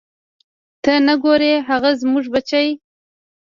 ته نه ګورې هغه زموږ بچی.